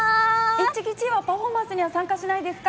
いっちきちーはパフォーマンスには参加しないんですか？